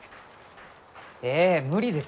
ええ無理ですよ。